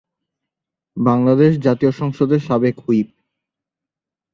বাংলাদেশ জাতীয় সংসদের সাবেক হুইপ